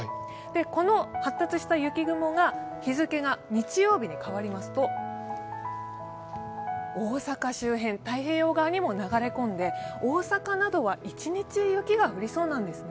この発達した雪雲が日付が日曜日に変わりますと、大阪周辺、太平洋側にも流れ込んで大阪などは一日雪が降りそうなんですね。